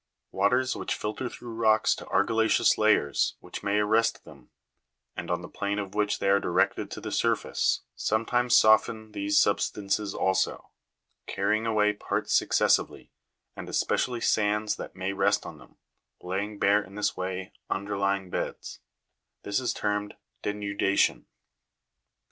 8. Waters which filter through rocks to argilla'ceous layers which may arrest them, and on the plane of which they are directed to the surface, sometimes soften these substances also, carrying away parts successively, and especially sands that may rest on them, laying bare in this way underlying beds : this is termed denudation.